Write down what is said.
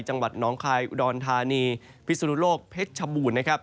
จังหวัดน้องคลายอุดอนธานีพิสูรุโลกเพชรชบูรณ์